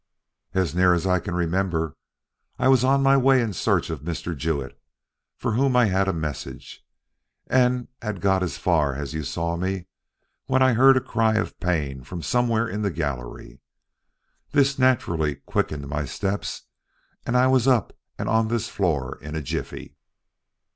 "As near as I can remember. I was on my way in search of Mr. Jewett, for whom I had a message, and had got as far as you saw me, when I heard a cry of pain from somewhere in the gallery. This naturally quickened my steps and I was up and on this floor in a jiffy."